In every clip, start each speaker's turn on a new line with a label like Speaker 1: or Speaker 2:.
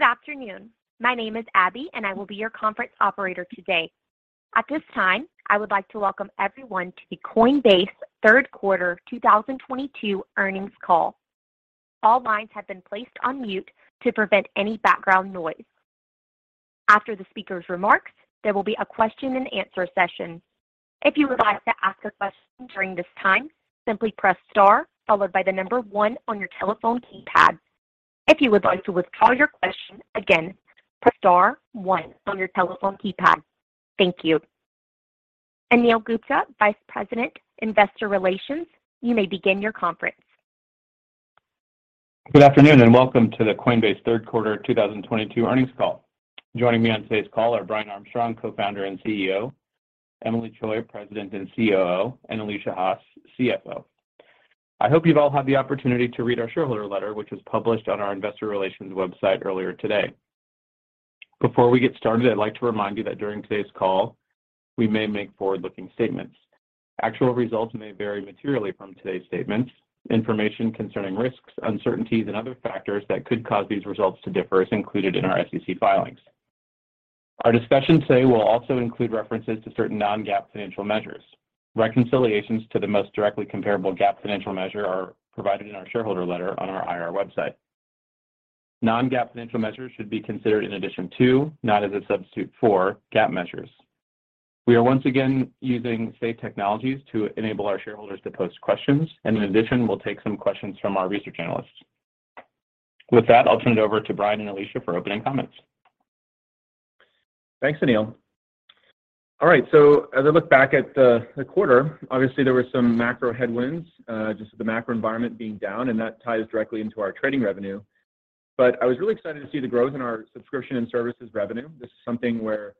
Speaker 1: Good afternoon. My name is Abby, and I will be your conference operator today. At this time, I would like to welcome everyone to the Coinbase third quarter 2022 earnings call. All lines have been placed on mute to prevent any background noise. After the speaker's remarks, there will be a question and answer session. If you would like to ask a question during this time, simply press star followed by the number one on your telephone keypad. If you would like to withdraw your question, again, press star one on your telephone keypad. Thank you. Anil Gupta, Vice President, Investor Relations, you may begin your conference.
Speaker 2: Good afternoon, and welcome to the Coinbase third quarter 2022 earnings call. Joining me on today's call are Brian Armstrong, Co-founder and CEO, Emilie Choi, President and COO, and Alesia Haas, CFO. I hope you've all had the opportunity to read our shareholder letter, which was published on our investor relations website earlier today. Before we get started, I'd like to remind you that during today's call we may make forward-looking statements. Actual results may vary materially from today's statements. Information concerning risks, uncertainties, and other factors that could cause these results to differ is included in our SEC filings. Our discussion today will also include references to certain non-GAAP financial measures. Reconciliations to the most directly comparable GAAP financial measure are provided in our shareholder letter on our IR website. Non-GAAP financial measures should be considered in addition to, not as a substitute for, GAAP measures. We are once again using Say Technologies to enable our shareholders to post questions, and in addition, we'll take some questions from our research analysts. With that, I'll turn it over to Brian and Alesia for opening comments.
Speaker 3: Thanks, Anil. All right, as I look back at the quarter, obviously there were some macro headwinds, just with the macro environment being down, and that ties directly into our trading revenue. I was really excited to see the growth in our Subscription and Services revenue. This is something where,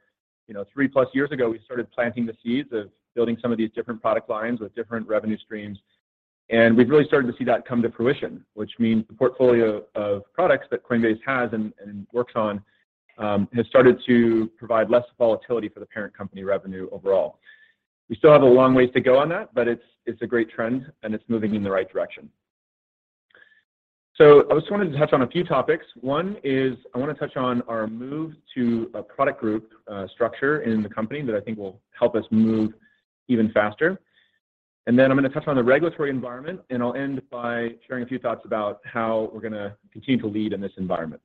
Speaker 3: you know, three-plus years ago, we started planting the seeds of building some of these different product lines with different revenue streams, and we've really started to see that come to fruition, which means the portfolio of products that Coinbase has and works on has started to provide less volatility for the parent company revenue overall. We still have a long ways to go on that, but it's a great trend, and it's moving in the right direction. I just wanted to touch on a few topics. One is I wanna touch on our move to a product group structure in the company that I think will help us move even faster. I'm gonna touch on the regulatory environment, and I'll end by sharing a few thoughts about how we're gonna continue to lead in this environment.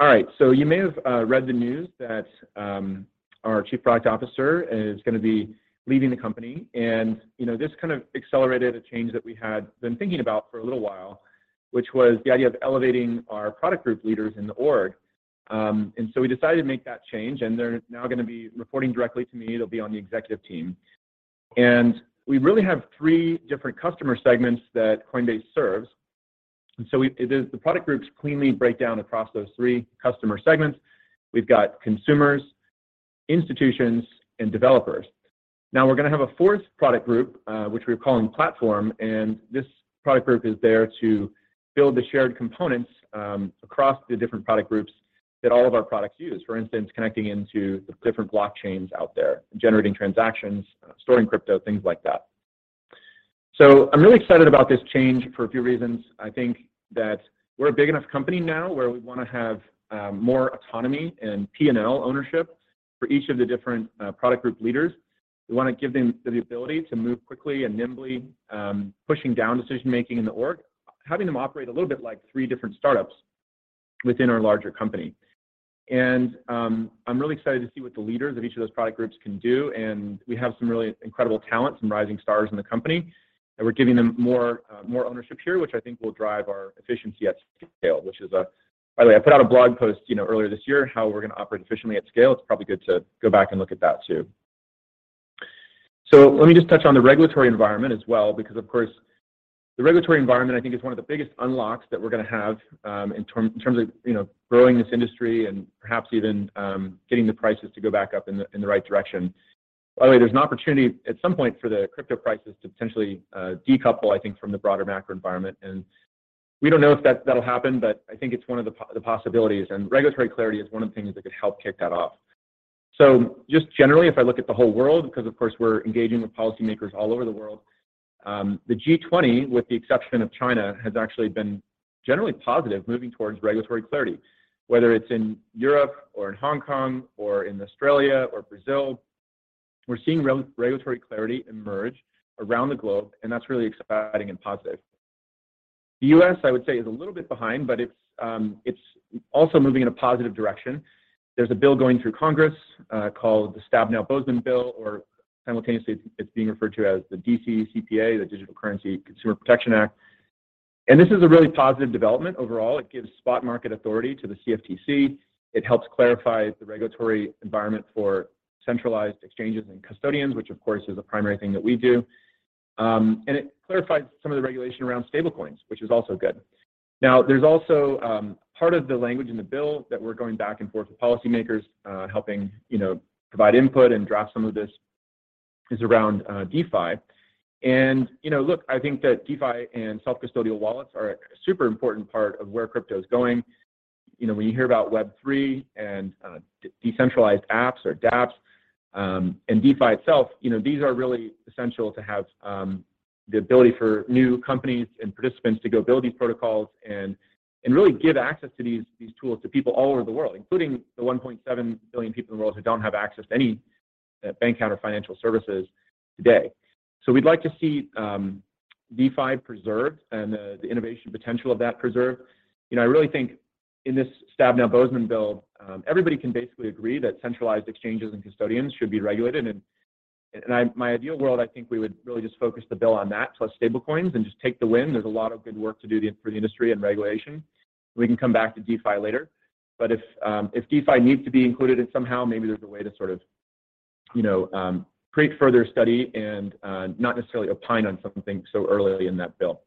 Speaker 3: All right, you may have read the news that our chief product officer is gonna be leaving the company, and you know, this kind of accelerated a change that we had been thinking about for a little while, which was the idea of elevating our product group leaders in the org. We decided to make that change, and they're now gonna be reporting directly to me. They'll be on the executive team. We really have three different customer segments that Coinbase serves. The product groups cleanly break down across those three customer segments. We've got consumers, institutions, and developers. Now we're gonna have a fourth product group, which we're calling platform, and this product group is there to build the shared components across the different product groups that all of our products use. For instance, connecting into the different blockchains out there, generating transactions, storing crypto, things like that. I'm really excited about this change for a few reasons. I think that we're a big enough company now where we wanna have more autonomy and P&L ownership for each of the different product group leaders. We wanna give them the ability to move quickly and nimbly, pushing down decision-making in the org, having them operate a little bit like three different startups within our larger company. I'm really excited to see what the leaders of each of those product groups can do, and we have some really incredible talent, some rising stars in the company, and we're giving them more ownership here, which I think will drive our efficiency at scale. By the way, I put out a blog post, you know, earlier this year, how we're gonna operate efficiently at scale. It's probably good to go back and look at that too. Let me just touch on the regulatory environment as well because, of course, the regulatory environment, I think, is one of the biggest unlocks that we're gonna have, in terms of, you know, growing this industry and perhaps even getting the prices to go back up in the right direction. By the way, there's an opportunity at some point for the crypto prices to potentially decouple, I think, from the broader macro environment. We don't know if that'll happen, but I think it's one of the possibilities, and regulatory clarity is one of the things that could help kick that off. Just generally, if I look at the whole world, because of course we're engaging with policymakers all over the world, the G20, with the exception of China, has actually been generally positive moving towards regulatory clarity. Whether it's in Europe or in Hong Kong or in Australia or Brazil, we're seeing regulatory clarity emerge around the globe, and that's really exciting and positive. The U.S., I would say, is a little bit behind, but it's also moving in a positive direction. There's a bill going through Congress called the Stabenow-Boozman Bill, or simultaneously it's being referred to as the DCCPA, the Digital Commodities Consumer Protection Act, and this is a really positive development overall. It gives spot market authority to the CFTC. It helps clarify the regulatory environment for centralized exchanges and custodians, which of course is a primary thing that we do. It clarifies some of the regulation around stablecoins, which is also good. Now, there's also part of the language in the bill that we're going back and forth with policymakers, helping, you know, provide input and draft some of this is around DeFi. You know, look, I think that DeFi and self-custodial wallets are a super important part of where crypto is going. You know, when you hear about Web3 and decentralized apps or DApps, and DeFi itself, you know, these are really essential to have the ability for new companies and participants to go build these protocols and really give access to these tools to people all over the world, including the 1.7 billion people in the world who don't have access to any bank account or financial services today. We'd like to see DeFi preserved and the innovation potential of that preserved. You know, I really think in this Stabenow-Boozman bill, everybody can basically agree that centralized exchanges and custodians should be regulated. In my ideal world, I think we would really just focus the bill on that plus stablecoins and just take the win. There's a lot of good work to do for the industry and regulation. We can come back to DeFi later. If DeFi needs to be included in somehow, maybe there's a way to sort of, you know, create further study and not necessarily opine on something so early in that bill.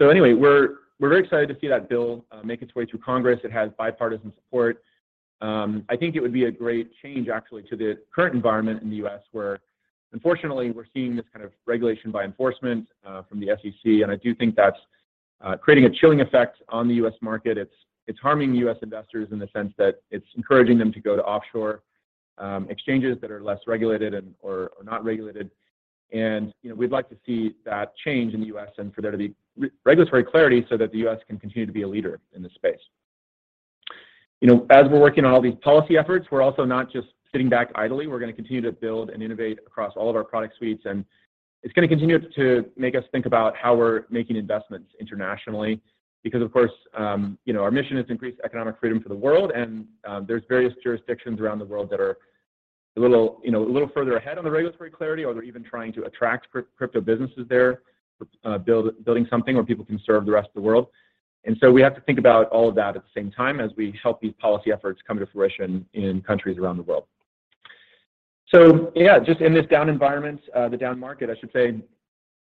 Speaker 3: Anyway, we're very excited to see that bill make its way through Congress. It has bipartisan support. I think it would be a great change actually to the current environment in the U.S. where unfortunately, we're seeing this kind of regulation by enforcement from the SEC. I do think that's creating a chilling effect on the U.S. market. It's harming U.S. investors in the sense that it's encouraging them to go to offshore exchanges that are less regulated and or not regulated. You know, we'd like to see that change in the U.S. and for there to be regulatory clarity so that the U.S. can continue to be a leader in this space. You know, as we're working on all these policy efforts, we're also not just sitting back idly. We're gonna continue to build and innovate across all of our product suites, and it's gonna continue to make us think about how we're making investments internationally because, of course, you know, our mission is to increase economic freedom for the world and, there's various jurisdictions around the world that are a little further ahead on the regulatory clarity or they're even trying to attract crypto businesses there, building something where people can serve the rest of the world. We have to think about all of that at the same time as we help these policy efforts come to fruition in countries around the world. Yeah, just in this down environment, the down market, I should say,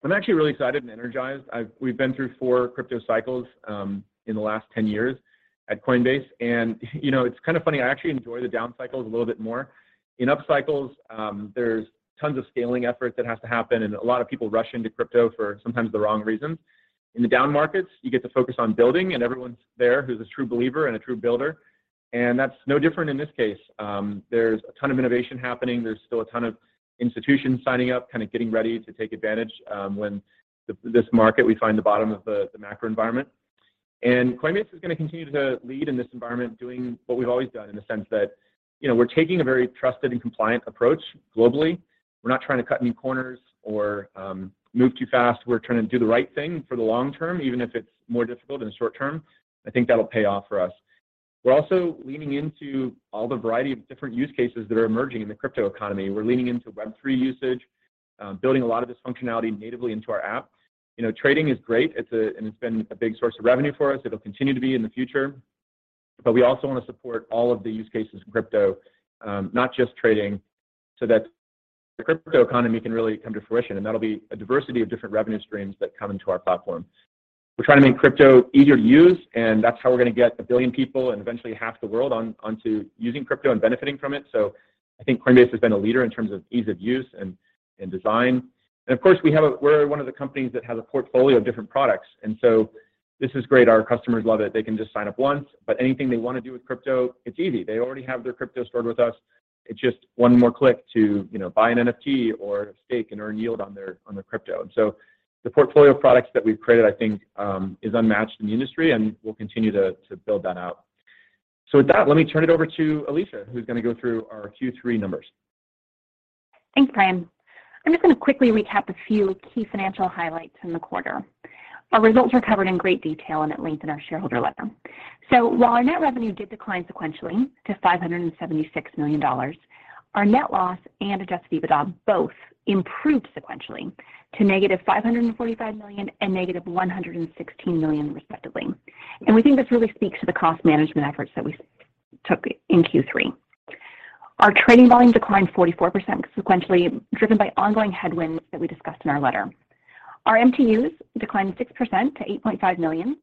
Speaker 3: I'm actually really excited and energized. We've been through four crypto cycles in the last 10 years at Coinbase, and, you know, it's kind of funny. I actually enjoy the down cycles a little bit more. In up cycles, there's tons of scaling effort that has to happen, and a lot of people rush into crypto for sometimes the wrong reasons. In the down markets, you get to focus on building, and everyone's there who's a true believer and a true builder, and that's no different in this case. There's a ton of innovation happening. There's still a ton of institutions signing up, kind of getting ready to take advantage when this market we find the bottom of the macro environment. Coinbase is gonna continue to lead in this environment doing what we've always done in the sense that, you know, we're taking a very trusted and compliant approach globally. We're not trying to cut any corners or move too fast. We're trying to do the right thing for the long term, even if it's more difficult in the short term. I think that'll pay off for us. We're also leaning into all the variety of different use cases that are emerging in the crypto economy. We're leaning into Web3 usage, building a lot of this functionality natively into our app. You know, trading is great. It's and it's been a big source of revenue for us. It'll continue to be in the future. We also wanna support all of the use cases in crypto, not just trading, so that the crypto economy can really come to fruition, and that'll be a diversity of different revenue streams that come into our platform. We're trying to make crypto easier to use, and that's how we're gonna get a billion people and eventually half the world onto using crypto and benefiting from it. I think Coinbase has been a leader in terms of ease of use and design. Of course, we're one of the companies that has a portfolio of different products, and so this is great. Our customers love it. They can just sign up once, but anything they wanna do with crypto, it's easy. They already have their crypto stored with us. It's just one more click to, you know, buy an NFT or stake and earn yield on their crypto. The portfolio of products that we've created, I think, is unmatched in the industry, and we'll continue to build that out. With that, let me turn it over to Alesia, who's gonna go through our Q3 numbers.
Speaker 4: Thanks, Brian. I'm just gonna quickly recap a few key financial highlights in the quarter. Our results are covered in great detail and at length in our shareholder letter. While our net revenue did decline sequentially to $576 million, our net loss and adjusted EBITDA both improved sequentially to -$545 million and -$116 million respectively. We think this really speaks to the cost management efforts that we took in Q3. Our trading volume declined 44% sequentially, driven by ongoing headwinds that we discussed in our letter. Our MTUs declined 6% to 8.5 million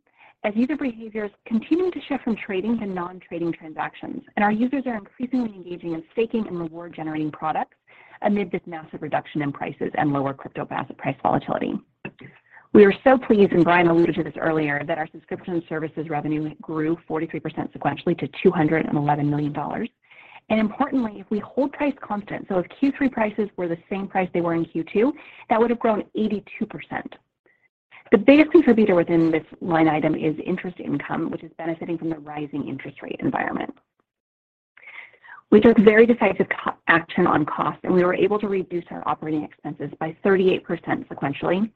Speaker 4: as user behaviors continue to shift from trading to non-trading transactions, and our users are increasingly engaging in staking and reward-generating products amid this massive reduction in prices and lower crypto asset price volatility. We are so pleased, and Brian alluded to this earlier, that our subscription services revenue grew 43% sequentially to $211 million. Importantly, if we hold price constant, so if Q3 prices were the same price they were in Q2, that would have grown 82%. The biggest contributor within this line item is interest income, which is benefiting from the rising interest rate environment. We took very decisive action on cost, and we were able to reduce our operating expenses by 38% sequentially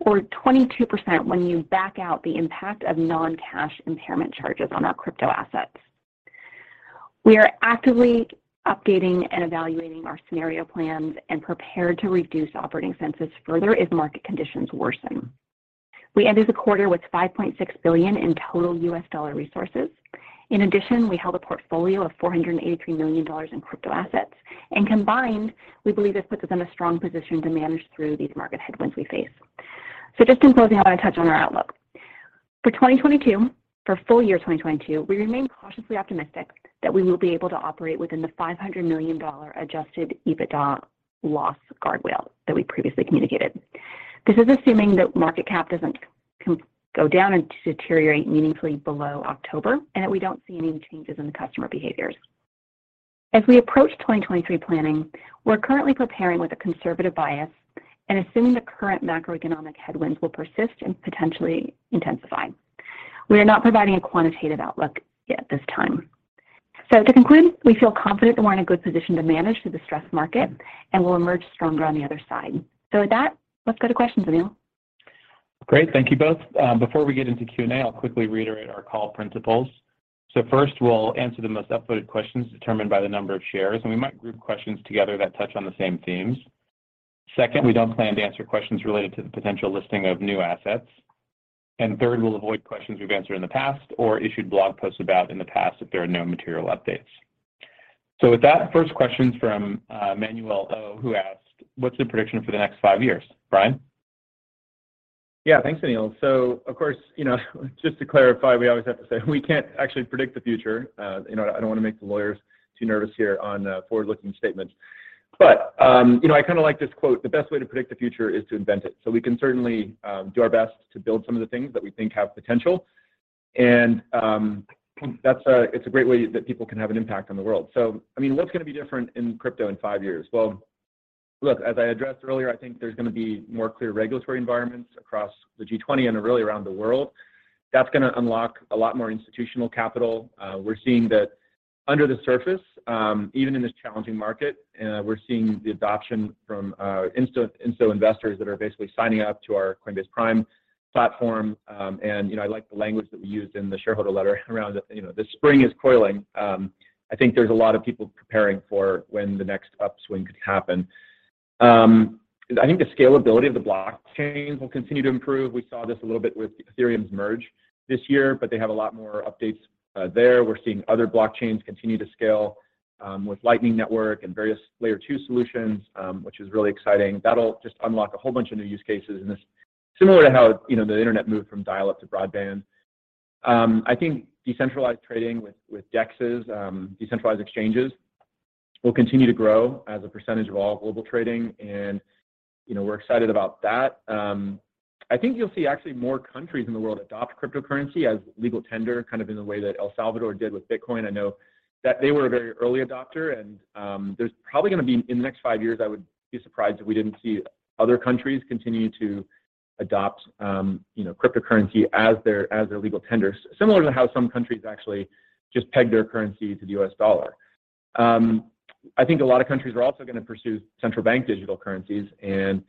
Speaker 4: or 22% when you back out the impact of non-cash impairment charges on our crypto assets. We are actively updating and evaluating our scenario plans and prepared to reduce operating expenses further if market conditions worsen. We ended the quarter with $5.6 billion in total U.S. dollar resources. In addition, we held a portfolio of $483 million in crypto assets. Combined, we believe this puts us in a strong position to manage through these market headwinds we face. Just in closing, I wanna touch on our outlook. For 2022, for full year 2022, we remain cautiously optimistic that we will be able to operate within the $500 million adjusted EBITDA loss guardrail that we previously communicated. This is assuming that market cap doesn't go down and deteriorate meaningfully below October, and that we don't see any changes in the customer behaviors. As we approach 2023 planning, we're currently preparing with a conservative bias and assuming the current macroeconomic headwinds will persist and potentially intensify. We are not providing a quantitative outlook yet this time. To conclude, we feel confident that we're in a good position to manage through the stressed market and will emerge stronger on the other side. With that, let's go to questions, Anil.
Speaker 2: Great. Thank you both. Before we get into Q&A, I'll quickly reiterate our call principles. First, we'll answer the most upvoted questions determined by the number of shares, and we might group questions together that touch on the same themes. Second, we don't plan to answer questions related to the potential listing of new assets. Third, we'll avoid questions we've answered in the past or issued blog posts about in the past if there are no material updates. With that, first question from Manuel O, who asked, "What's your prediction for the next five years?" Brian?
Speaker 3: Yeah. Thanks, Anil. Of course, you know, just to clarify, we always have to say we can't actually predict the future. You know, I don't want to make the lawyers too nervous here on, forward-looking statements. You know, I kind of like this quote, "The best way to predict the future is to invent it." We can certainly do our best to build some of the things that we think have potential and, that's a great way that people can have an impact on the world. I mean, what's gonna be different in crypto in five years? Well, look, as I addressed earlier, I think there's gonna be more clear regulatory environments across the G20 and really around the world. That's gonna unlock a lot more institutional capital. We're seeing that under the surface, even in this challenging market, we're seeing the adoption from institutional investors that are basically signing up to our Coinbase Prime platform. You know, I like the language that we used in the shareholder letter around, you know, the spring is coiling. I think there's a lot of people preparing for when the next upswing could happen. 'Cause I think the scalability of the blockchains will continue to improve. We saw this a little bit with Ethereum's merge this year, but they have a lot more updates there. We're seeing other blockchains continue to scale with Lightning Network and various Layer-2 solutions, which is really exciting. That'll just unlock a whole bunch of new use cases and it's similar to how, you know, the internet moved from dial-up to broadband. I think decentralized trading with DEXs, decentralized exchanges, will continue to grow as a percentage of all global trading and, you know, we're excited about that. I think you'll see actually more countries in the world adopt cryptocurrency as legal tender, kind of in the way that El Salvador did with Bitcoin. I know that they were a very early adopter and, there's probably gonna be, in the next five years, I would be surprised if we didn't see other countries continue to adopt, you know, cryptocurrency as their legal tender, similar to how some countries actually just pegged their currency to the US dollar. I think a lot of countries are also gonna pursue central bank digital currencies and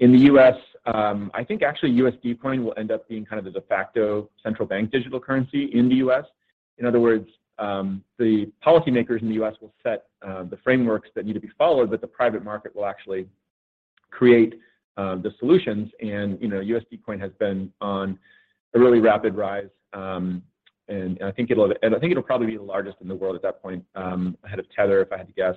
Speaker 3: in the U.S., I think actually USD Coin will end up being kind of the de facto central bank digital currency in the U.S. In other words, the policymakers in the U.S. will set the frameworks that need to be followed, but the private market will actually create the solutions and, you know, USD Coin has been on a really rapid rise, and I think it'll probably be the largest in the world at that point, ahead of Tether, if I had to guess.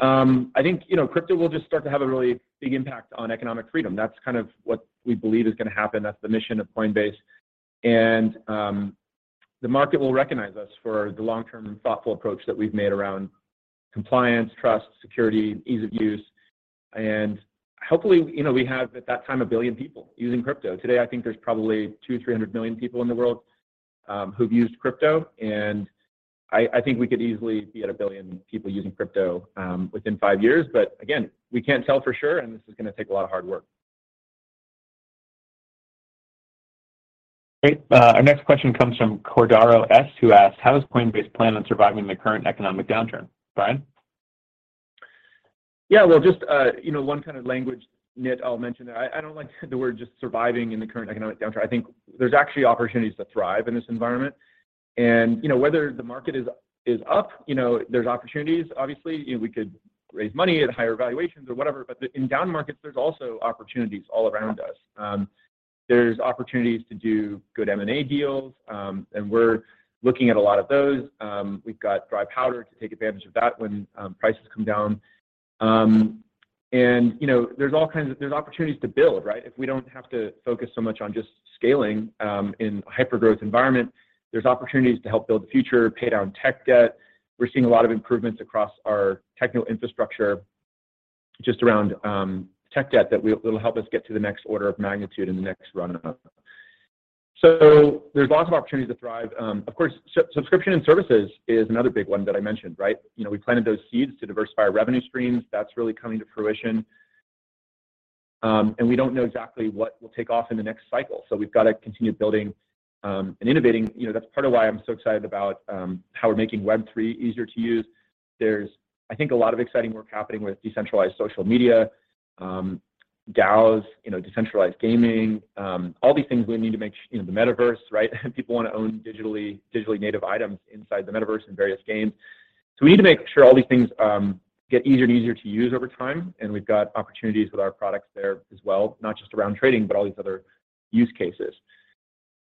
Speaker 3: I think, you know, crypto will just start to have a really big impact on economic freedom. That's kind of what we believe is gonna happen. That's the mission of Coinbase and the market will recognize us for the long-term and thoughtful approach that we've made around compliance, trust, security, ease of use. Hopefully, you know, we have, at that time, 1 billion people using crypto. Today, I think there's probably 200-300 million people in the world who've used crypto, and I think we could easily be at 1 billion people using crypto within five years. Again, we can't tell for sure, and this is gonna take a lot of hard work.
Speaker 2: Great. Our next question comes from Cordaro S, who asks, "How does Coinbase plan on surviving the current economic downturn?" Brian?
Speaker 3: Yeah. Well, just, you know, one kind of language nit I'll mention. I don't like the word just surviving in the current economic downturn. I think there's actually opportunities to thrive in this environment and, you know, whether the market is up, you know, there's opportunities, obviously. You know, we could raise money at higher valuations or whatever. In down markets, there's also opportunities all around us. There's opportunities to do good M&A deals, and we're looking at a lot of those. We've got dry powder to take advantage of that when prices come down. You know, there's all kinds of opportunities to build, right? If we don't have to focus so much on just scaling in a hyper-growth environment, there's opportunities to help build the future, pay down tech debt. We're seeing a lot of improvements across our technical infrastructure just around tech debt that will help us get to the next order of magnitude in the next run-up. There's lots of opportunities to thrive. Of course, Subscription and Services is another big one that I mentioned, right? You know, we planted those seeds to diversify our revenue streams. That's really coming to fruition. We don't know exactly what will take off in the next cycle, so we've got to continue building and innovating. You know, that's part of why I'm so excited about how we're making Web3 easier to use. There's, I think, a lot of exciting work happening with decentralized social media, DAOs, you know, decentralized gaming, all these things we need to make, you know, the metaverse, right? People wanna own digitally native items inside the metaverse in various games. We need to make sure all these things get easier and easier to use over time, and we've got opportunities with our products there as well, not just around trading, but all these other use cases.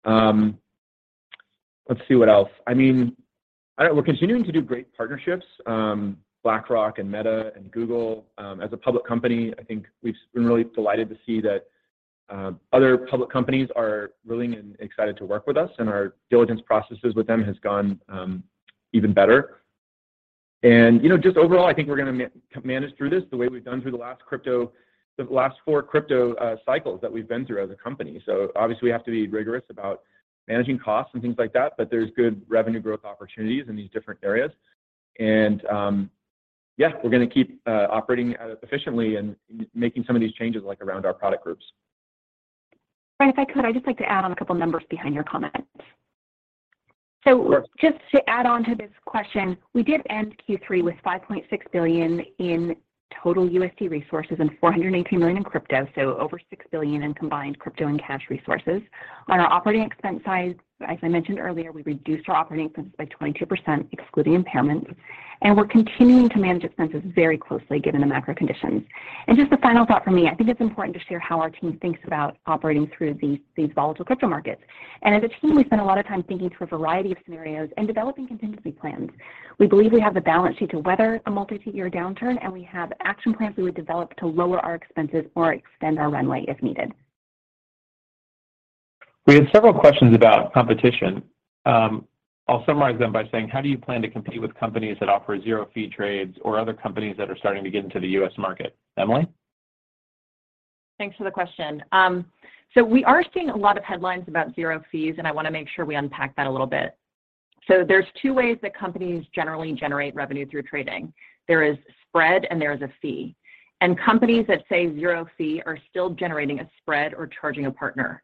Speaker 3: Let's see what else. I mean, we're continuing to do great partnerships, BlackRock and Meta and Google. As a public company, I think we've been really delighted to see that other public companies are willing and excited to work with us, and our diligence processes with them has gone even better. You know, just overall, I think we're gonna manage through this the way we've done through the last four crypto cycles that we've been through as a company. Obviously, we have to be rigorous about managing costs and things like that, but there's good revenue growth opportunities in these different areas and, yeah, we're gonna keep operating efficiently and making some of these changes, like, around our product groups.
Speaker 4: Brian, if I could, I'd just like to add on a couple numbers behind your comment.
Speaker 3: Sure.
Speaker 4: Just to add on to this question, we did end Q3 with $5.6 billion in total USD resources and $418 million in crypto, so over $6 billion in combined crypto and cash resources. On our operating expense side, as I mentioned earlier, we reduced our operating expenses by 22% excluding impairments, and we're continuing to manage expenses very closely given the macro conditions. Just a final thought from me, I think it's important to share how our team thinks about operating through these volatile crypto markets. As a team, we spend a lot of time thinking through a variety of scenarios and developing contingency plans. We believe we have the balance sheet to weather a multi-year downturn, and we have action plans we would develop to lower our expenses or extend our runway if needed.
Speaker 2: We have several questions about competition. I'll summarize them by saying how do you plan to compete with companies that offer zero fee trades or other companies that are starting to get into the U.S. market? Emilie?
Speaker 5: Thanks for the question. We are seeing a lot of headlines about zero fees, and I wanna make sure we unpack that a little bit. There's two ways that companies generally generate revenue through trading. There is spread, and there is a fee. Companies that say zero fee are still generating a spread or charging a partner.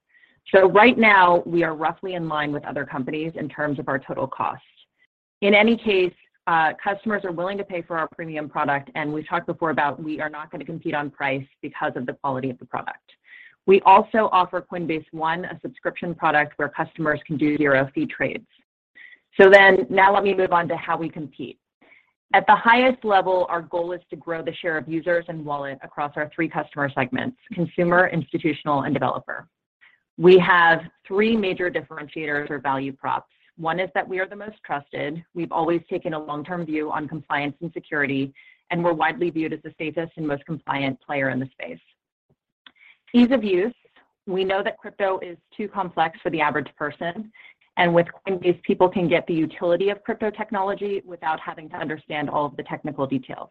Speaker 5: Right now, we are roughly in line with other companies in terms of our total cost. In any case, customers are willing to pay for our premium product, and we've talked before about we are not gonna compete on price because of the quality of the product. We also offer Coinbase One, a subscription product where customers can do zero fee trades. Now let me move on to how we compete. At the highest level, our goal is to grow the share of users and wallet across our three customer segments: Consumer, Institutional, and Developer. We have three major differentiators or value props. One is that we are the most trusted. We've always taken a long-term view on compliance and security, and we're widely viewed as the safest and most compliant player in the space. Ease of use. We know that crypto is too complex for the average person, and with Coinbase, people can get the utility of crypto technology without having to understand all of the technical details.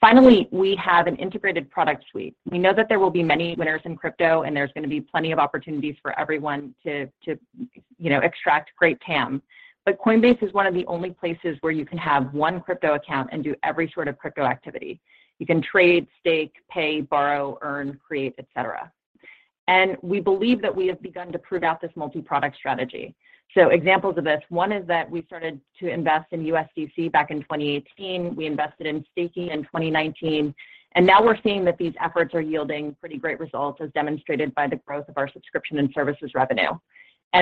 Speaker 5: Finally, we have an integrated product suite. We know that there will be many winners in crypto, and there's gonna be plenty of opportunities for everyone to you know extract great TAM. Coinbase is one of the only places where you can have one crypto account and do every sort of crypto activity. You can trade, stake, pay, borrow, earn, create, et cetera. We believe that we have begun to prove out this multi-product strategy. Examples of this, one is that we started to invest in USDC back in 2018. We invested in staking in 2019, and now we're seeing that these efforts are yielding pretty great results as demonstrated by the growth of our Subscription and Services revenue.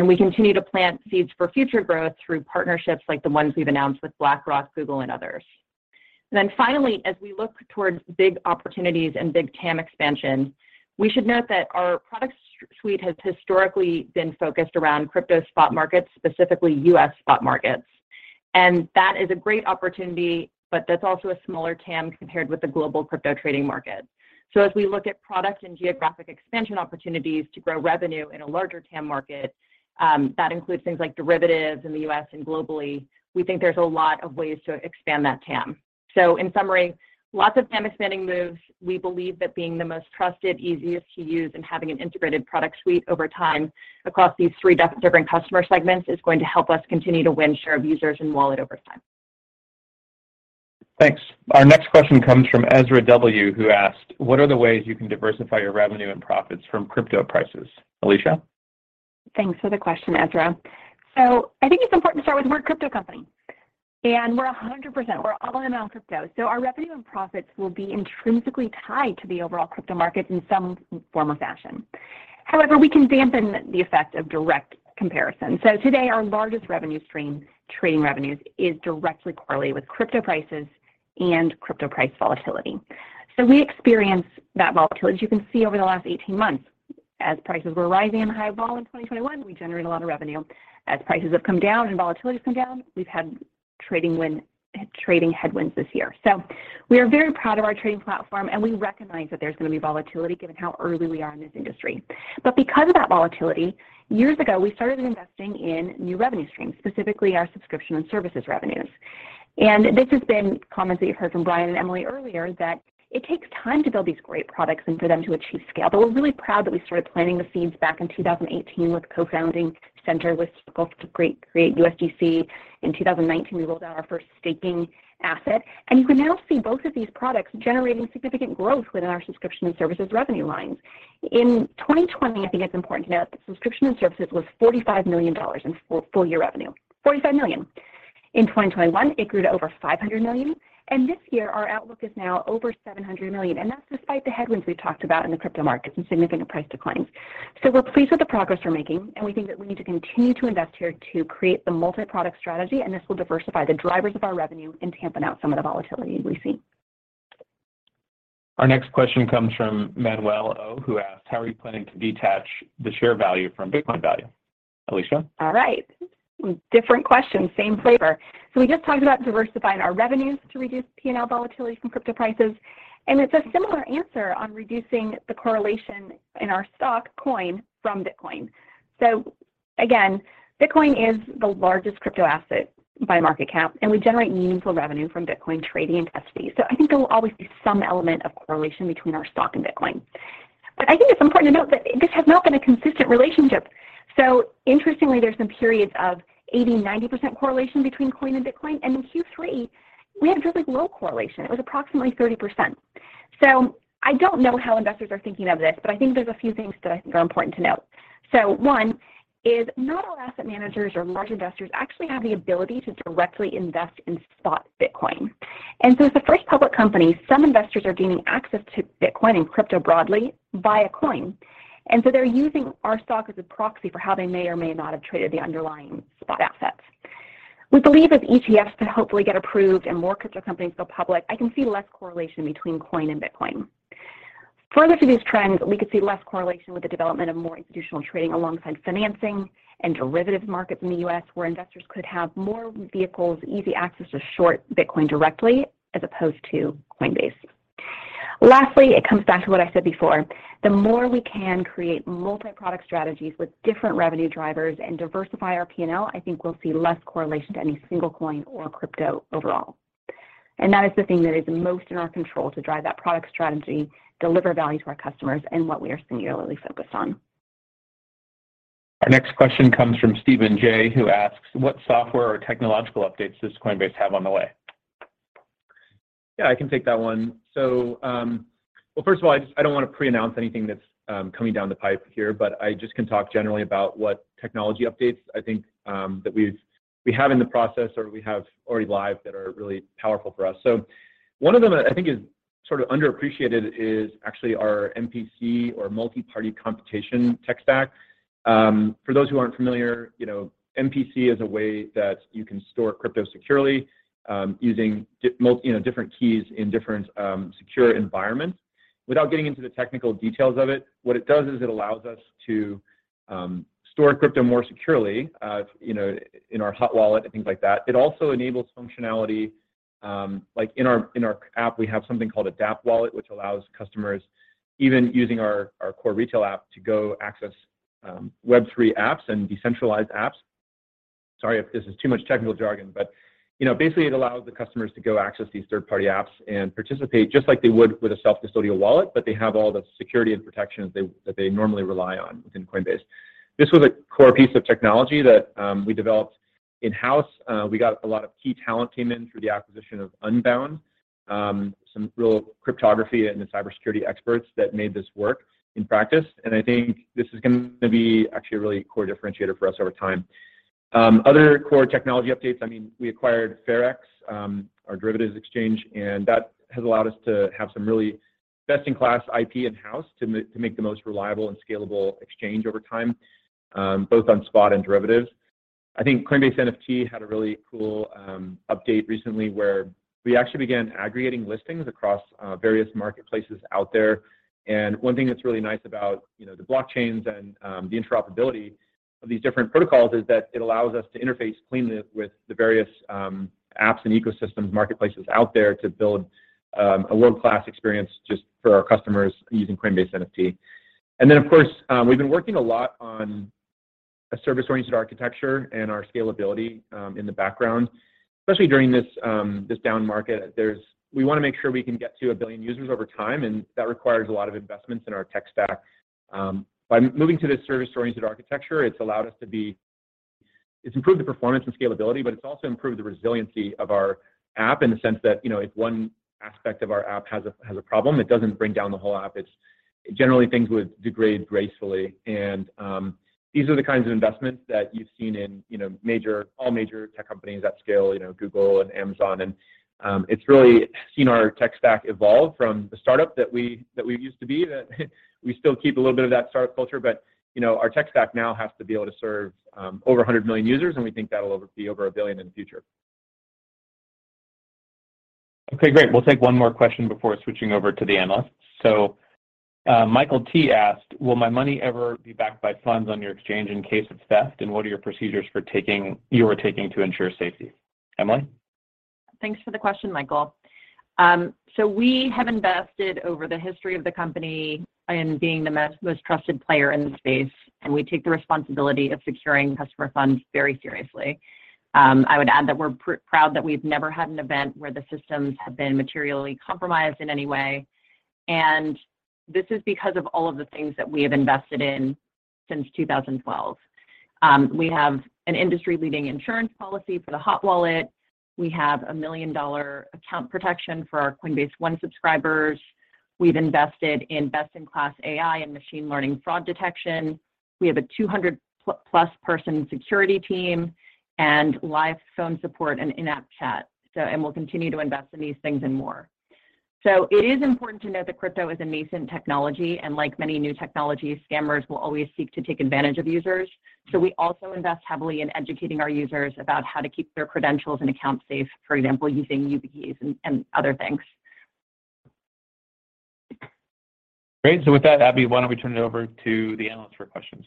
Speaker 5: We continue to plant seeds for future growth through partnerships like the ones we've announced with BlackRock, Google, and others. Finally, as we look towards big opportunities and big TAM expansion, we should note that our product suite has historically been focused around crypto spot markets, specifically U.S. Spot markets. That is a great opportunity, but that's also a smaller TAM compared with the global crypto trading market. As we look at product and geographic expansion opportunities to grow revenue in a larger TAM market, that includes things like derivatives in the U.S. and globally, we think there's a lot of ways to expand that TAM. In summary, lots of TAM expanding moves. We believe that being the most trusted, easiest to use, and having an integrated product suite over time across these three different customer segments is going to help us continue to win share of users and wallet over time.
Speaker 2: Thanks. Our next question comes from Ezra W., who asked, "What are the ways you can diversify your revenue and profits from crypto prices?" Alesia?
Speaker 4: Thanks for the question, Ezra. I think it's important to start with the word crypto company, and we're 100%, we're all-in on crypto, so our revenue and profits will be intrinsically tied to the overall crypto market in some form or fashion. However, we can dampen the effect of direct comparison. Today, our largest revenue stream, trading revenues, is directly correlated with crypto prices and crypto price volatility. We experience that volatility. As you can see over the last 18 months, as prices were rising and high volume in 2021, we generated a lot of revenue. As prices have come down and volatility's come down, we've had trading headwinds this year. We are very proud of our trading platform, and we recognize that there's gonna be volatility given how early we are in this industry. Because of that volatility, years ago, we started investing in new revenue streams, specifically our Subscription and Services revenues. This has been comments that you've heard from Brian and Emilie earlier that it takes time to build these great products and for them to achieve scale, but we're really proud that we started planting the seeds back in 2018 with co-founding Centre with Circle to create USDC. In 2019, we rolled out our first staking asset, and you can now see both of these products generating significant growth within our Subscription and Services revenue lines. In 2020, I think it's important to note that Subscription and Services was $45 million in full year revenue. In 2021, it grew to over $500 million, and this year our outlook is now over $700 million, and that's despite the headwinds we've talked about in the crypto market and significant price declines. We're pleased with the progress we're making, and we think that we need to continue to invest here to create the multi-product strategy, and this will diversify the drivers of our revenue and dampen out some of the volatility we see.
Speaker 2: Our next question comes from Manuel O., who asked, "How are you planning to detach the share value from Bitcoin value?" Alesia?
Speaker 4: All right. Different question, same flavor. We just talked about diversifying our revenues to reduce P&L volatility from crypto prices, and it's a similar answer on reducing the correlation in our stock, COIN from Bitcoin. Again, Bitcoin is the largest crypto asset by market cap, and we generate meaningful revenue from Bitcoin trading and custody. I think there will always be some element of correlation between our stock and Bitcoin. I think it's important to note that this has not been a consistent relationship. Interestingly, there's some periods of 80%, 90% correlation between COIN and Bitcoin, and in Q3 we had really low correlation. It was approximately 30%. I don't know how investors are thinking of this, but I think there's a few things that I think are important to note. One is not all asset managers or large investors actually have the ability to directly invest in spot Bitcoin. As the first public company, some investors are gaining access to Bitcoin and crypto broadly via COIN. They're using our stock as a proxy for how they may or may not have traded the underlying spot assets. We believe as ETFs hopefully get approved and more crypto companies go public, I can see less correlation between COIN and Bitcoin. Further to these trends, we could see less correlation with the development of more institutional trading alongside financing and derivatives markets in the U.S., where investors could have more vehicles, easy access to short Bitcoin directly as opposed to Coinbase. Lastly, it comes back to what I said before. The more we can create multi-product strategies with different revenue drivers and diversify our P&L, I think we'll see less correlation to any single coin or crypto overall. That is the thing that is most in our control to drive that product strategy, deliver value to our customers, and what we are singularly focused on.
Speaker 2: Our next question comes from Steven J, who asks, "What software or technological updates does Coinbase have on the way?
Speaker 3: Yeah, I can take that one. Well, first of all, I just don't want to preannounce anything that's coming down the pipe here, but I just can talk generally about what technology updates I think that we have in the process or we have already live that are really powerful for us. One of them that I think is sort of underappreciated is actually our MPC or Multi-Party Computation tech stack. For those who aren't familiar, you know, MPC is a way that you can store crypto securely using different keys in different secure environments. Without getting into the technical details of it, what it does is it allows us to store crypto more securely, you know, in our hot wallet and things like that. It also enables functionality, like in our app, we have something called DApp Wallet, which allows customers even using our core retail app to go access Web3 apps and decentralized apps. Sorry if this is too much technical jargon, but, you know, basically it allows the customers to go access these third-party apps and participate just like they would with a self-custodial wallet, but they have all the security and protection that they normally rely on within Coinbase. This was a core piece of technology that we developed in-house. We got a lot of key talent came in through the acquisition of Unbound, some real cryptography and the cybersecurity experts that made this work in practice, and I think this is gonna be actually a really core differentiator for us over time. Other core technology updates, I mean, we acquired FairX, our derivatives exchange, and that has allowed us to have some really best-in-class IP in-house to make the most reliable and scalable exchange over time, both on spot and derivatives. I think Coinbase NFT had a really cool update recently where we actually began aggregating listings across various marketplaces out there. One thing that's really nice about, you know, the blockchains and the interoperability of these different protocols is that it allows us to interface cleanly with the various apps and ecosystems, marketplaces out there to build a world-class experience just for our customers using Coinbase NFT. Of course, we've been working a lot on a service-oriented architecture and our scalability in the background, especially during this down market. We wanna make sure we can get to a billion users over time, and that requires a lot of investments in our tech stack. By moving to this service-oriented architecture, it's improved the performance and scalability, but it's also improved the resiliency of our app in the sense that, you know, if one aspect of our app has a problem, it doesn't bring down the whole app. Generally things would degrade gracefully. These are the kinds of investments that you've seen in, you know, all major tech companies at scale, you know, Google and Amazon. It's really seen our tech stack evolve from the startup that we used to be, that we still keep a little bit of that startup culture, but you know, our tech stack now has to be able to serve over 100 million users, and we think that'll be over 1 billion in the future.
Speaker 2: Okay, great. We'll take one more question before switching over to the analysts. Michael T. asked, "Will my money ever be backed by funds on your exchange in case of theft? And what are your procedures you are taking to ensure safety?" Emilie?
Speaker 5: Thanks for the question, Michael. We have invested over the history of the company in being the most trusted player in the space, and we take the responsibility of securing customer funds very seriously. I would add that we're proud that we've never had an event where the systems have been materially compromised in any way, and this is because of all of the things that we have invested in since 2012. We have an industry-leading insurance policy for the hot wallet. We have a million-dollar account protection for our Coinbase One subscribers. We've invested in best-in-class AI and machine learning fraud detection. We have a 200-plus-person security team and live phone support and in-app chat. We'll continue to invest in these things and more. It is important to note that crypto is a nascent technology, and like many new technologies, scammers will always seek to take advantage of users. We also invest heavily in educating our users about how to keep their credentials and accounts safe, for example, using YubiKeys and other things.
Speaker 2: Great. With that, Abby, why don't we turn it over to the analysts for questions?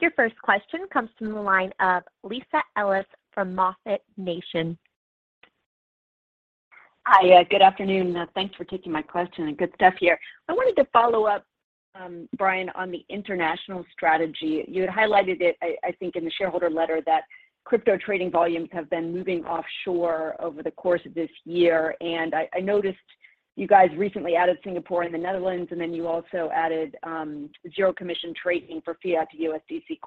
Speaker 1: Your first question comes from the line of Lisa Ellis from MoffettNathanson.
Speaker 6: Hi. Good afternoon. Thanks for taking my question, and good stuff here. I wanted to follow up. Brian, on the international strategy, you had highlighted it, I think in the shareholder letter that crypto trading volumes have been moving offshore over the course of this year. I noticed you guys recently added Singapore and the Netherlands, and then you also added zero commission trading for fiat to USDC.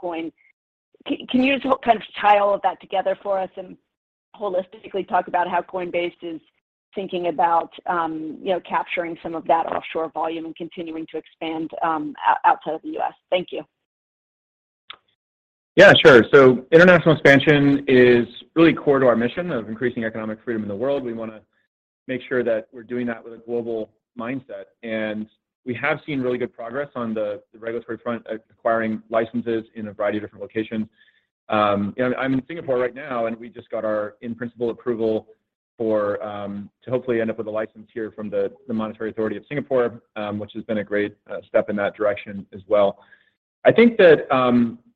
Speaker 6: Can you just kind of tie all of that together for us and holistically talk about how Coinbase is thinking about, you know, capturing some of that offshore volume and continuing to expand outside of the U.S.? Thank you.
Speaker 3: Yeah, sure. International expansion is really core to our mission of increasing economic freedom in the world. We wanna make sure that we're doing that with a global mindset, and we have seen really good progress on the regulatory front, acquiring licenses in a variety of different locations. You know, I'm in Singapore right now, and we just got our in-principle approval to hopefully end up with a license here from the Monetary Authority of Singapore, which has been a great step in that direction as well. I think that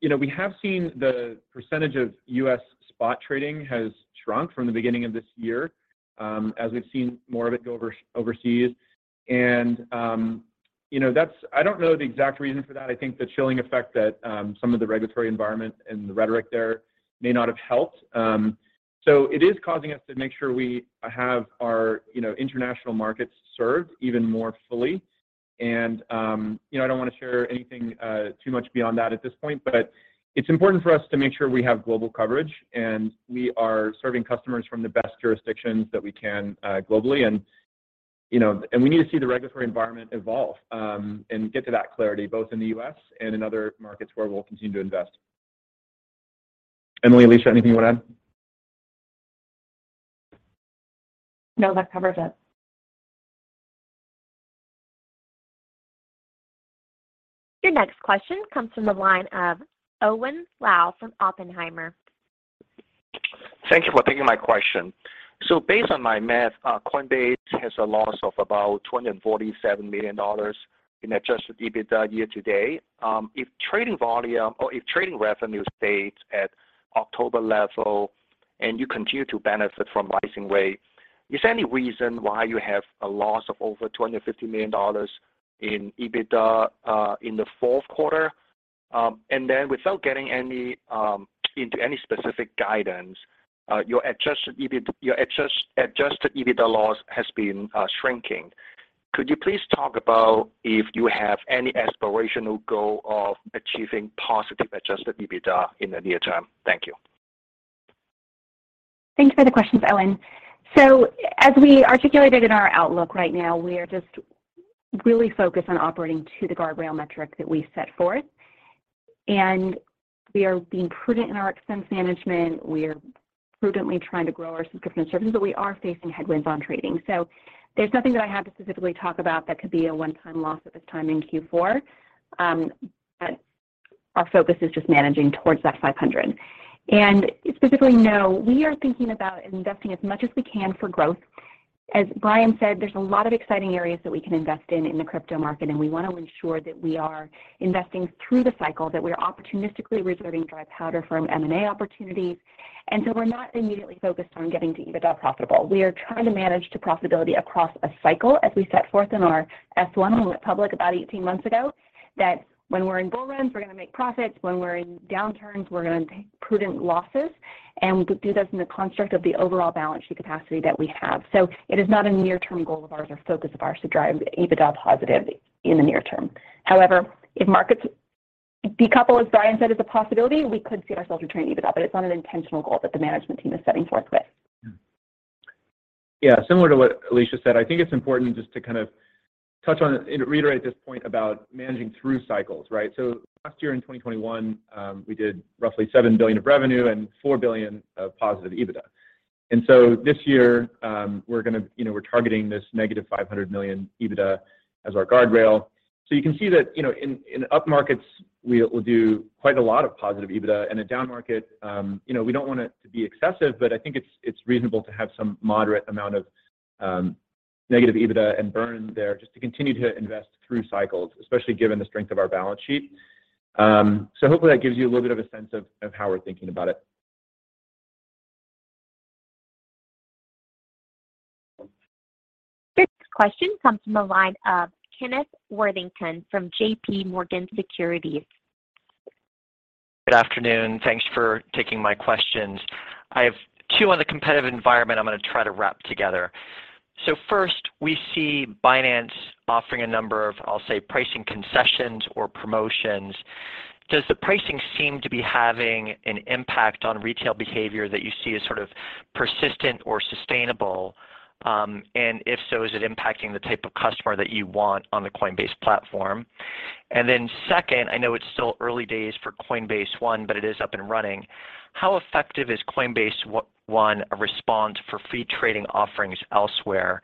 Speaker 3: you know, we have seen the percentage of U.S. spot trading has shrunk from the beginning of this year, as we've seen more of it go overseas. That's. I don't know the exact reason for that. I think the chilling effect that some of the regulatory environment and the rhetoric there may not have helped. It is causing us to make sure we have our, you know, international markets served even more fully. You know, I don't wanna share anything too much beyond that at this point, but it's important for us to make sure we have global coverage, and we are serving customers from the best jurisdictions that we can globally. You know, and we need to see the regulatory environment evolve and get to that clarity both in the U.S. and in other markets where we'll continue to invest. Emily, Alesia, anything you wanna add?
Speaker 4: No, that covers it.
Speaker 1: Your next question comes from the line of Owen Lau from Oppenheimer.
Speaker 7: Thank you for taking my question. Based on my math, Coinbase has a loss of about $24.7 million in adjusted EBITDA year to date. If trading volume or if trading revenue stays at October level and you continue to benefit from rising rates, is there any reason why you have a loss of over $250 million in EBITDA in the fourth quarter? Without getting into any specific guidance, your adjusted EBITDA, your adjusted EBITDA loss has been shrinking. Could you please talk about if you have any aspirational goal of achieving positive adjusted EBITDA in the near term? Thank you.
Speaker 4: Thanks for the questions, Owen. As we articulated in our outlook right now, we are just really focused on operating to the guardrail metric that we set forth. We are being prudent in our expense management. We are prudently trying to grow our subscription services, but we are facing headwinds on trading. There's nothing that I have to specifically talk about that could be a one-time loss at this time in Q4. Our focus is just managing towards that 500. Specifically, no, we are thinking about investing as much as we can for growth. As Brian said, there's a lot of exciting areas that we can invest in in the crypto market, and we want to ensure that we are investing through the cycle, that we are opportunistically reserving dry powder for M&A opportunities. We're not immediately focused on getting to EBITDA profitable. We are trying to manage to profitability across a cycle, as we set forth in our S-1 when we went public about 18 months ago, that when we're in bull runs, we're gonna make profits, when we're in downturns, we're gonna take prudent losses, and we do those in the construct of the overall balance sheet capacity that we have. It is not a near-term goal of ours or focus of ours to drive EBITDA positive in the near term. However, if markets decouple, as Brian said, is a possibility, we could see ourselves returning EBITDA, but it's not an intentional goal that the management team is setting forth with.
Speaker 3: Yeah. Similar to what Alesia said, I think it's important just to kind of touch on and reiterate this point about managing through cycles, right? Last year in 2021, we did roughly $7 billion of revenue and $4 billion of positive EBITDA. This year, we're gonna, you know, we're targeting this -$500 million EBITDA as our guardrail. You can see that, you know, in up markets, we'll do quite a lot of positive EBITDA. In a down market, you know, we don't want it to be excessive, but I think it's reasonable to have some moderate amount of negative EBITDA and burn there just to continue to invest through cycles, especially given the strength of our balance sheet. Hopefully that gives you a little bit of a sense of how we're thinking about it.
Speaker 1: This question comes from the line of Kenneth Worthington from JPMorgan Securities.
Speaker 8: Good afternoon. Thanks for taking my questions. I have two on the competitive environment I'm gonna try to wrap together. First, we see Binance offering a number of, I'll say, pricing concessions or promotions. Does the pricing seem to be having an impact on retail behavior that you see as sort of persistent or sustainable? And if so, is it impacting the type of customer that you want on the Coinbase platform? Second, I know it's still early days for Coinbase One, but it is up and running. How effective is Coinbase One as a response for free trading offerings elsewhere?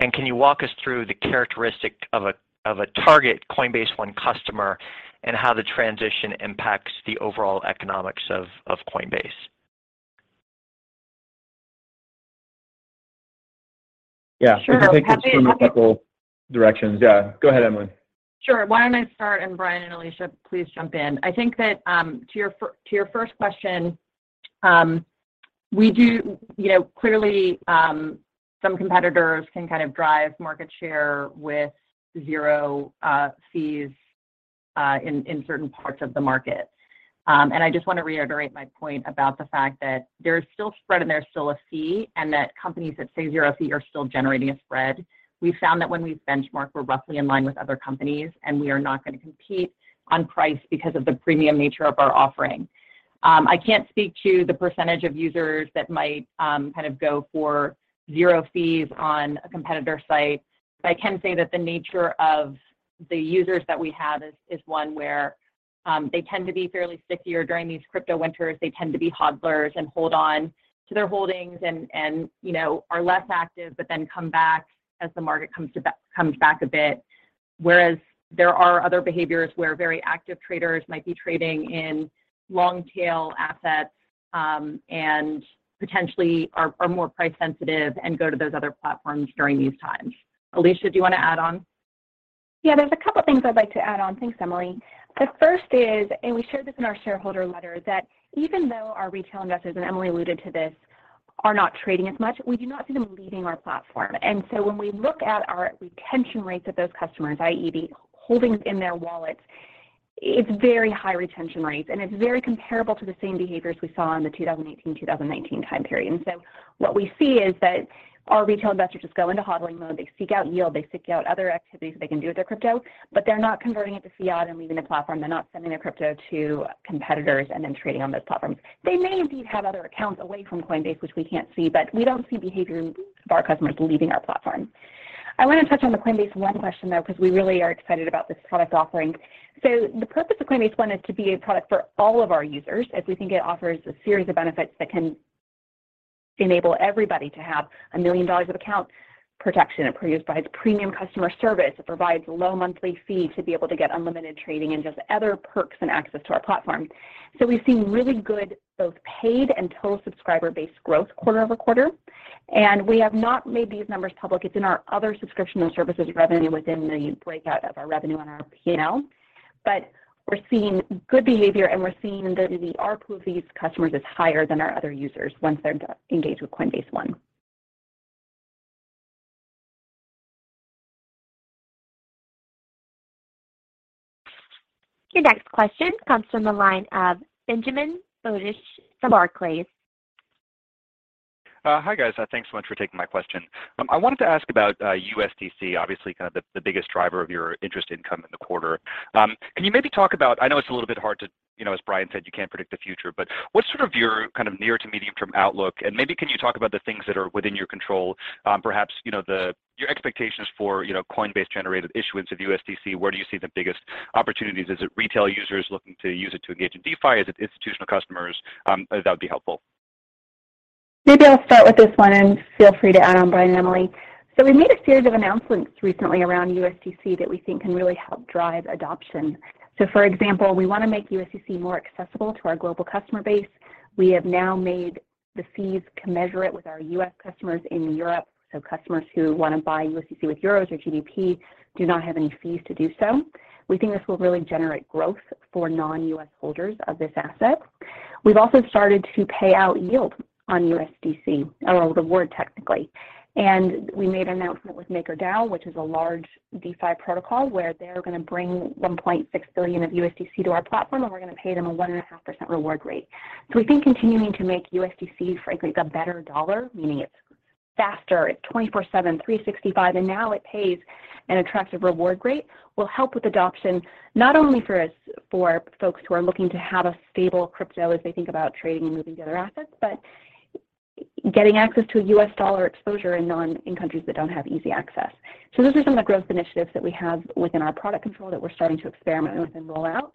Speaker 8: And can you walk us through the characteristic of a target Coinbase One customer and how the transition impacts the overall economics of Coinbase?
Speaker 3: Yeah. I can take this from a couple directions. Yeah, go ahead, Emilie.
Speaker 5: Sure. Why don't I start, and Brian and Alesia, please jump in. I think that, to your first question, We do, you know, clearly, some competitors can kind of drive market share with zero fees in certain parts of the market. I just want to reiterate my point about the fact that there is still spread, and there's still a fee, and that companies that say zero fee are still generating a spread. We found that when we benchmark, we're roughly in line with other companies, and we are not going to compete on price because of the premium nature of our offering. I can't speak to the percentage of users that might kind of go for zero fees on a competitor site, but I can say that the nature of the users that we have is one where they tend to be fairly stickier during these crypto winters. They tend to be hodlers and hold on to their holdings and, you know, are less active, but then come back as the market comes back a bit. Whereas there are other behaviors where very active traders might be trading in long tail assets, and potentially are more price sensitive and go to those other platforms during these times. Alesia, do you want to add on?
Speaker 4: Yeah, there's a couple things I'd like to add on. Thanks, Emilie. The first is, we shared this in our shareholder letter, that even though our retail investors, and Emilie alluded to this, are not trading as much, we do not see them leaving our platform. When we look at our retention rates of those customers, i.e., the holdings in their wallets, it's very high retention rates, and it's very comparable to the same behaviors we saw in the 2018, 2019 time period. What we see is that our retail investors just go into hodling mode. They seek out yield. They seek out other activities they can do with their crypto, but they're not converting it to fiat and leaving the platform. They're not sending their crypto to competitors and then trading on those platforms. They may indeed have other accounts away from Coinbase, which we can't see, but we don't see behavior of our customers leaving our platform. I want to touch on the Coinbase One question, though, because we really are excited about this product offering. The purpose of Coinbase One is to be a product for all of our users, as we think it offers a series of benefits that can enable everybody to have $1 million of account protection. It provides premium customer service. It provides low monthly fee to be able to get unlimited trading and just other perks and access to our platform. We've seen really good both paid and total subscriber base growth quarter over quarter, and we have not made these numbers public. It's in our other Subscription and Services revenue within the breakout of our revenue on our P&L. We're seeing good behavior, and we're seeing the ARPU of these customers is higher than our other users once they're engaged with Coinbase One.
Speaker 1: Your next question comes from the line of Benjamin Budish from Barclays.
Speaker 9: Hi guys. Thanks so much for taking my question. I wanted to ask about USDC, obviously kind of the biggest driver of your interest income in the quarter. Can you maybe talk about? I know it's a little bit hard to, you know, as Brian said, you can't predict the future, but what's sort of your kind of near to medium term outlook? Maybe can you talk about the things that are within your control, perhaps, you know, your expectations for, you know, Coinbase generated issuance of USDC, where do you see the biggest opportunities? Is it retail users looking to use it to engage in DeFi? Is it institutional customers? That would be helpful.
Speaker 4: Maybe I'll start with this one, and feel free to add on, Brian and Emilie. We made a series of announcements recently around USDC that we think can really help drive adoption. For example, we want to make USDC more accessible to our global customer base. We have now made the fees commensurate with our U.S. customers in Europe. Customers who want to buy USDC with euros or GBP do not have any fees to do so. We think this will really generate growth for non-U.S. holders of this asset. We've also started to pay out yield on USDC, or the reward technically. We made an announcement with MakerDAO, which is a large DeFi protocol, where they're going to bring $1.6 billion of USDC to our platform, and we're going to pay them a 1.5% reward rate. We think continuing to make USDC, frankly, the better dollar, meaning it's faster, it's 24/7, 365, and now it pays an attractive reward rate, will help with adoption, not only for us, for folks who are looking to have a stable crypto as they think about trading and moving to other assets, but getting access to a U.S. dollar exposure in countries that don't have easy access. Those are some of the growth initiatives that we have within our product control that we're starting to experiment with and roll out.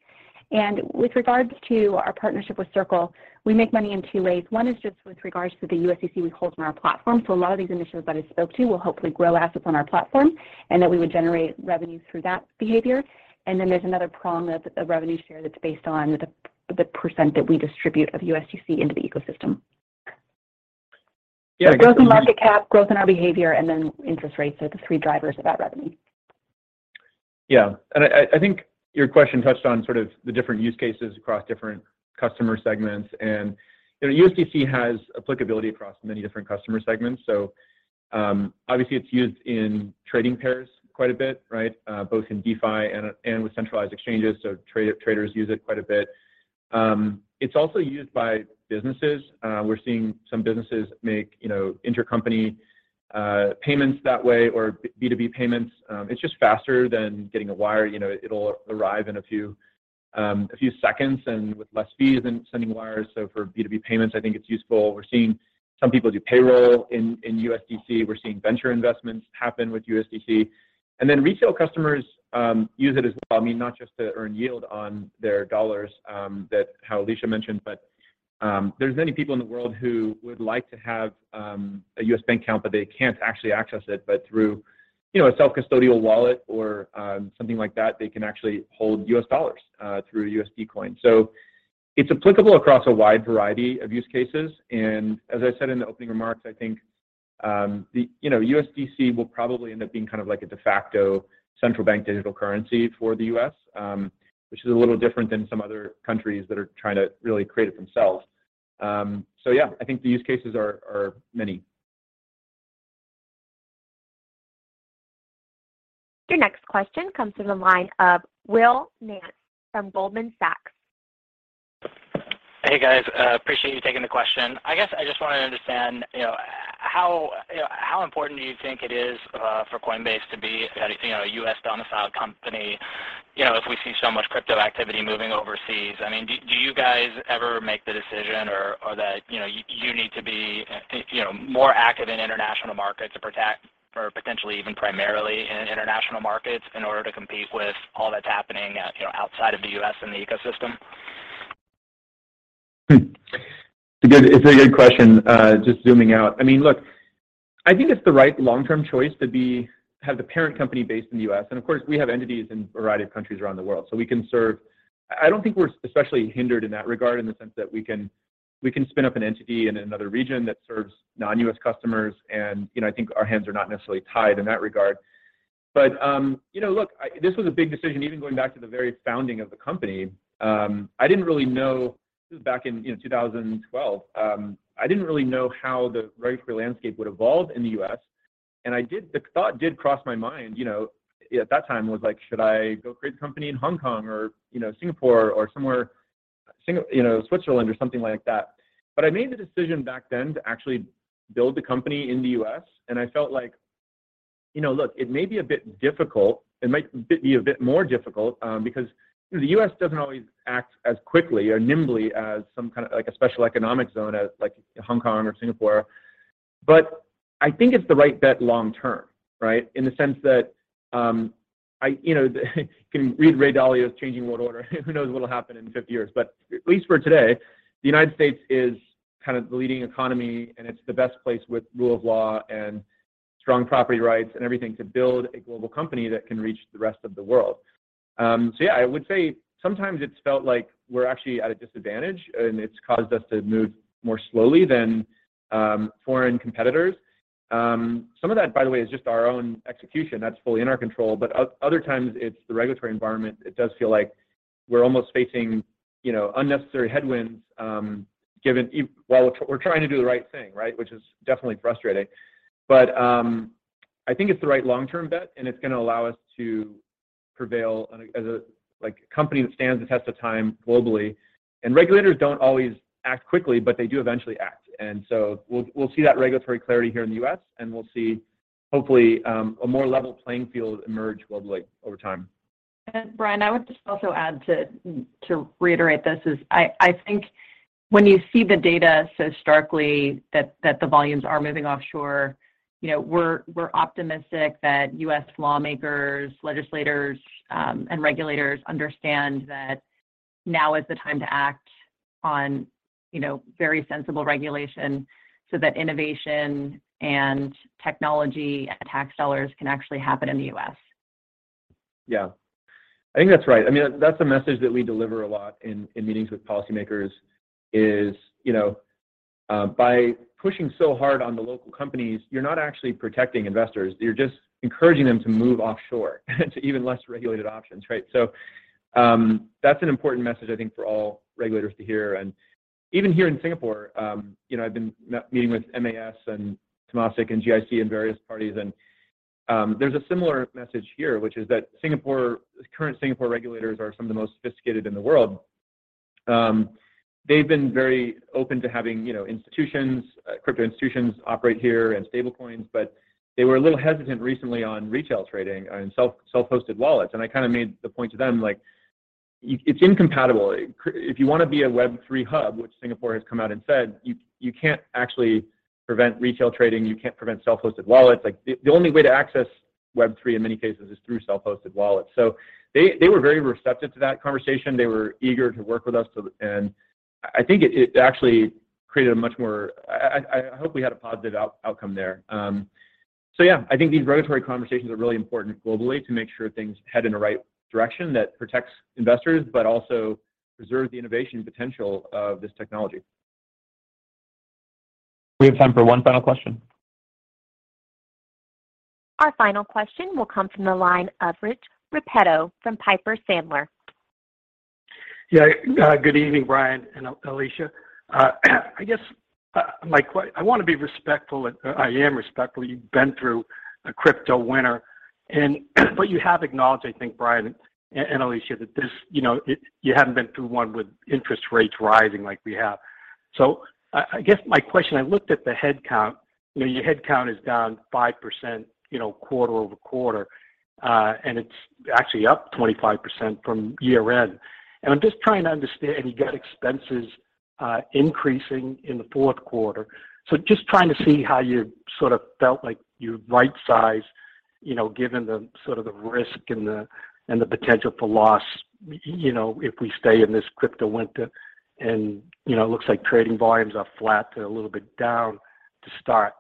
Speaker 4: With regards to our partnership with Circle, we make money in two ways. One is just with regards to the USDC we hold from our platform. A lot of these initiatives that I spoke to will hopefully grow assets on our platform and that we would generate revenue through that behavior. There's another prong of revenue share that's based on the percent that we distribute of USDC into the ecosystem.
Speaker 3: Yeah, I can.
Speaker 4: Growth in market cap, growth in our behavior, and then interest rates are the three drivers of that revenue.
Speaker 3: Yeah. I think your question touched on sort of the different use cases across different customer segments. You know, USDC has applicability across many different customer segments. Obviously it's used in trading pairs quite a bit, right? Both in DeFi and with centralized exchanges, so traders use it quite a bit. It's also used by businesses. We're seeing some businesses make, you know, intercompany payments that way or B2B payments. It's just faster than getting a wire. You know, it'll arrive in a few seconds and with less fees than sending wires. For B2B payments, I think it's useful. We're seeing some people do payroll in USDC. We're seeing venture investments happen with USDC. Retail customers use it as well, I mean, not just to earn yield on their dollars, that as Alesia mentioned, but there's many people in the world who would like to have a U.S. bank account, but they can't actually access it. But through, you know, a self-custodial wallet or something like that, they can actually hold U.S. dollars through USD Coin. It's applicable across a wide variety of use cases. As I said in the opening remarks, I think the you know, USDC will probably end up being kind of like a de facto central bank digital currency for the U.S., which is a little different than some other countries that are trying to really create it themselves. Yeah, I think the use cases are many.
Speaker 1: Your next question comes from the line of Will Nance from Goldman Sachs.
Speaker 10: Hey, guys. Appreciate you taking the question. I guess I just wanna understand, you know, how important do you think it is for Coinbase to be, you know, a U.S.-domiciled company, you know, if we see so much crypto activity moving overseas? I mean, do you guys ever make the decision or that you know you need to be, you know, more active in international markets to protect or potentially even primarily in international markets in order to compete with all that's happening, you know, outside of the U.S. and the ecosystem?
Speaker 3: It's a good question, just zooming out. I mean, look, I think it's the right long-term choice to be, have the parent company based in the U.S., and of course, we have entities in a variety of countries around the world, so we can serve. I don't think we're especially hindered in that regard in the sense that we can spin up an entity in another region that serves non-U.S. customers, and you know, I think our hands are not necessarily tied in that regard. You know, look, this was a big decision even going back to the very founding of the company. I didn't really know, this was back in, you know, 2012, I didn't really know how the regulatory landscape would evolve in the U.S., and the thought did cross my mind, you know, at that time was like, "Should I go create a company in Hong Kong or, you know, Singapore or somewhere, you know, Switzerland or something like that?" I made the decision back then to actually build the company in the US, and I felt like, you know, look, it may be a bit difficult, it might be a bit more difficult, because, you know, the US doesn't always act as quickly or nimbly as some kinda, like a special economic zone like Hong Kong or Singapore. I think it's the right bet long-term, right? In the sense that, I you know can read Ray Dalio's Changing World Order. Who knows what'll happen in 50 years? At least for today, the United States is kind of the leading economy, and it's the best place with rule of law and strong property rights and everything to build a global company that can reach the rest of the world. Yeah, I would say sometimes it's felt like we're actually at a disadvantage, and it's caused us to move more slowly than foreign competitors. Some of that, by the way, is just our own execution. That's fully in our control. Other times, it's the regulatory environment. It does feel like we're almost facing, you know, unnecessary headwinds, given even while we're trying to do the right thing, right? Which is definitely frustrating. I think it's the right long-term bet, and it's gonna allow us to prevail on a, as a, like, company that stands the test of time globally. Regulators don't always act quickly, but they do eventually act. We'll see that regulatory clarity here in the U.S., and we'll see hopefully, a more level playing field emerge globally over time.
Speaker 5: Brian, I would just also add to reiterate, this is, I think, when you see the data so starkly that the volumes are moving offshore, you know, we're optimistic that U.S. lawmakers, legislators, and regulators understand that now is the time to act on, you know, very sensible regulation so that innovation and technology and tax dollars can actually happen in the U.S.
Speaker 3: Yeah. I think that's right. I mean, that's the message that we deliver a lot in meetings with policymakers is, you know, by pushing so hard on the local companies, you're not actually protecting investors. You're just encouraging them to move offshore to even less regulated options, right? That's an important message I think for all regulators to hear. Even here in Singapore, you know, I've been meeting with MAS and Temasek and GIC and various parties and, there's a similar message here, which is that Singapore, current Singapore regulators are some of the most sophisticated in the world. They've been very open to having, you know, institutions, crypto institutions operate here and stablecoins, but they were a little hesitant recently on retail trading and self-hosted wallets, and I kinda made the point to them, like, it's incompatible. If you wanna be a Web3 hub, which Singapore has come out and said, you can't actually prevent retail trading. You can't prevent self-hosted wallets. Like, the only way to access Web3 in many cases is through self-hosted wallets. They were very receptive to that conversation. They were eager to work with us to, and I think it actually created a much more. I hope we had a positive outcome there. Yeah, I think these regulatory conversations are really important globally to make sure things head in the right direction that protects investors but also preserve the innovation potential of this technology.
Speaker 2: We have time for one final question.
Speaker 1: Our final question will come from the line of Rich Repetto from Piper Sandler.
Speaker 11: Yeah. Good evening, Brian and Alesia. I guess, I wanna be respectful, and I am respectful. You've been through a crypto winter and, but you have acknowledged, I think, Brian and Alesia, that this, you know, it, you haven't been through one with interest rates rising like we have. I guess my question, I looked at the headcount. You know, your headcount is down 5%, you know, quarter-over-quarter, and it's actually up 25% from year-end. I'm just trying to understand, you got expenses increasing in the fourth quarter. Just trying to see how you sort of felt like you right-sized, you know, given the sort of the risk and the potential for loss, you know, if we stay in this crypto winter and, you know, it looks like trading volumes are flat to a little bit down to start.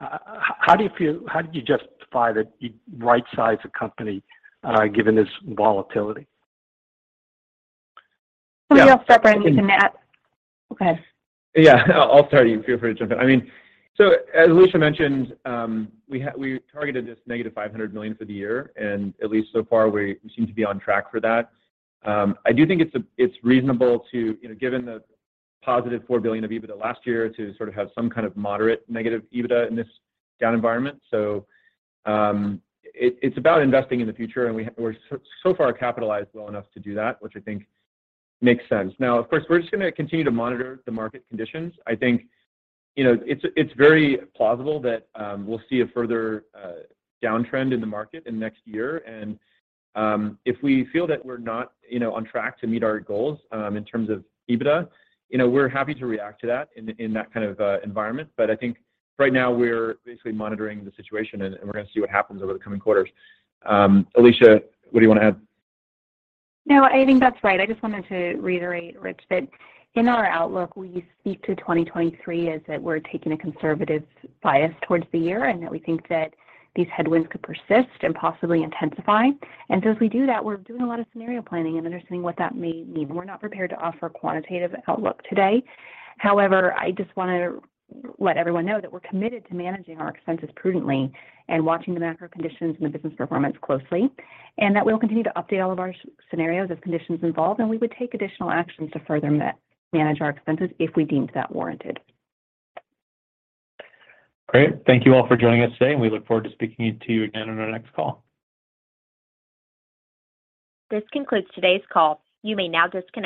Speaker 11: How do you feel, how do you justify that you right-sized the company, given this volatility?
Speaker 4: Let me just start, Brian, with the net.
Speaker 3: Yeah, I think.
Speaker 4: Go ahead.
Speaker 3: Yeah. I'll start. You feel free to jump in. I mean, so as Alesia mentioned, we targeted this -$500 million for the year, and at least so far we seem to be on track for that. I do think it's reasonable to, you know, given the +$4 billion of EBITDA last year to sort of have some kind of moderate negative EBITDA in this down environment. It's about investing in the future, and we're so far capitalized well enough to do that, which I think makes sense. Now, of course, we're just gonna continue to monitor the market conditions. I think, you know, it's very plausible that we'll see a further downtrend in the market in next year. If we feel that we're not, you know, on track to meet our goals in terms of EBITDA, you know, we're happy to react to that in that kind of environment. But I think right now we're basically monitoring the situation, and we're gonna see what happens over the coming quarters. Alesia, what do you wanna add?
Speaker 4: No, I think that's right. I just wanted to reiterate, Rich, that in our outlook, we speak to 2023 as that we're taking a conservative bias towards the year, and that we think that these headwinds could persist and possibly intensify. As we do that, we're doing a lot of scenario planning and understanding what that may mean. We're not prepared to offer a quantitative outlook today. However, I just wanna let everyone know that we're committed to managing our expenses prudently and watching the macro conditions and the business performance closely, and that we'll continue to update all of our scenarios as conditions evolve, and we would take additional actions to further manage our expenses if we deemed that warranted.
Speaker 2: Great. Thank you all for joining us today, and we look forward to speaking to you again on our next call.
Speaker 1: This concludes today's call. You may now disconnect.